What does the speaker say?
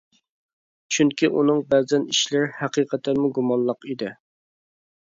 چۈنكى ئۇنىڭ بەزەن ئىشلىرى ھەقىقەتەنمۇ گۇمانلىق ئىدى.